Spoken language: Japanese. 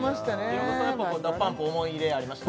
平子さんやっぱＤＡＰＵＭＰ思い入れありました？